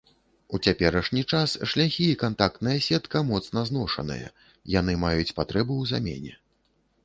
У цяперашні час шляхі і кантактная сетка моцна зношаныя, яны маюць патрэбу ў замене.